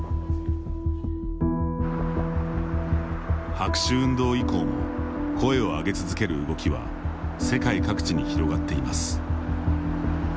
白紙運動以降も声を上げ続ける動きは世界各地に広がっています。